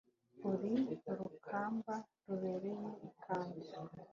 uri urukamba rubereye ikanzu